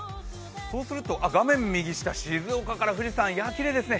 そうすると画面右下、静岡からの富士山きれいですね。